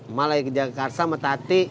emak lagi ke jakarta sama tati